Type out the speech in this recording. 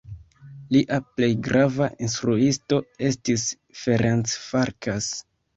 Lia plej grava instruisto estis Ferenc Farkas.